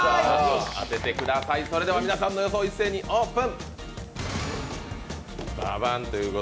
皆さんの予想、一斉にオープン。